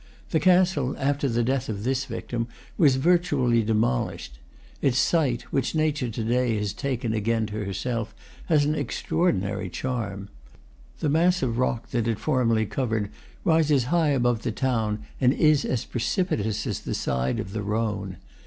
The castle, after the death of this victim, was virtually demolished. Its site, which Nature to day has taken again to herself, has an extraordinary charm. The mass of rock that it formerly covered rises high above the town, and is as precipitous as the side of the Rhone.